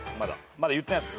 まだ言ってないです